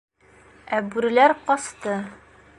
Ә бүреләр ҡасты...